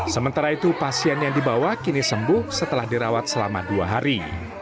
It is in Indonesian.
sementara itu pasien yang dibawa kini sembuh setelah dirawat selama dua hari